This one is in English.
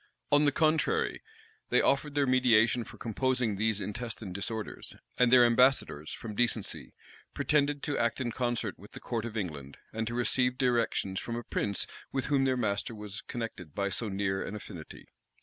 On the contrary, they offered their mediation for composing these intestine disorders; and their ambassadors, from decency, pretended to act in concert with the court of England, and to receive directions from a prince with whom their master was connected by so near an affinity.